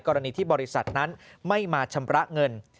กรณีที่บริษัทนั้นไม่มาชำระเงิน